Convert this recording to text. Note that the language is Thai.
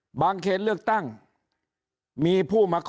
ยิ่งอาจจะมีคนเกณฑ์ไปลงเลือกตั้งล่วงหน้ากันเยอะไปหมดแบบนี้